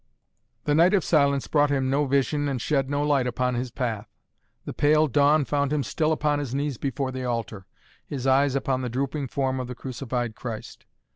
The night of silence brought him no vision and shed no light upon his path. The pale dawn found him still upon his knees before the altar, his eyes upon the drooping form of the crucified Christ.